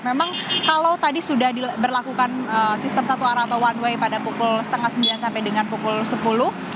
memang kalau tadi sudah diberlakukan sistem satu arah atau one way pada pukul setengah sembilan sampai dengan pukul sepuluh